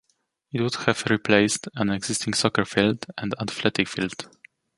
It would have replaced an existing soccer field and athletic field.